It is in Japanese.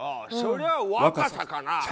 そりゃ若さかな。